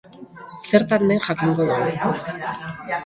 Zertan den jakingo dugu.